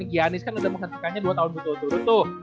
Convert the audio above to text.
giannis kan udah menghentikannya dua tahun betul betul tuh